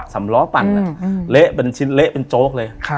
สำล้อปั่นเละเป็นชิ้นเละเป็นโจ๊กเลย